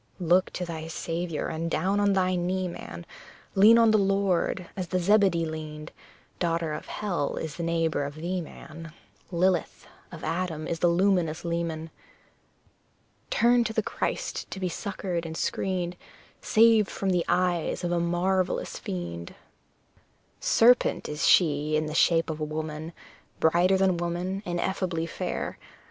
Look to thy Saviour, and down on thy knee, man, Lean on the Lord, as the Zebedee leaned; Daughter of hell is the neighbour of thee, man Lilith, of Adam the luminous leman! Turn to the Christ to be succoured and screened, Saved from the eyes of a marvellous fiend! Serpent she is in the shape of a woman, Brighter than woman, ineffably fair!